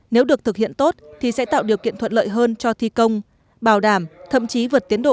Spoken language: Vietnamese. nếu được thực hiện tốt thì sẽ tạo điều kiện thuận lợi hơn cho thi công bảo đảm thậm chí vượt tiến độ